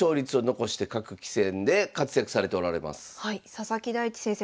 佐々木大地先生